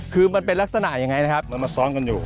คือมันเป็นลักษณะยังไงนะครับมันมาซ้อนกันอยู่